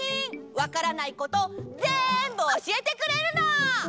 わからないことぜんぶおしえてくれるの！